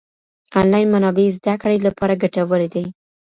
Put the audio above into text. انلاين منابع زده کړې لپاره ګټورې دي.